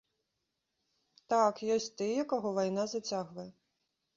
Так, ёсць тыя, каго вайна зацягвае.